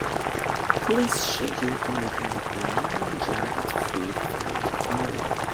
Please schedule a meeting between me and John at three thirty tomorrow.